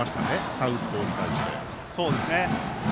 サウスポーに対して。